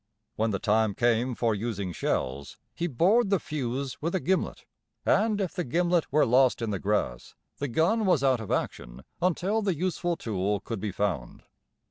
When the time came for using shells he bored the fuse with a gimlet; and if the gimlet were lost in the grass, the gun was out of action until the useful tool could be found.